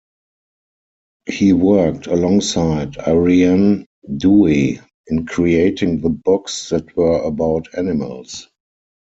He worked alongside Ariane Dewey in creating the books that were about animals.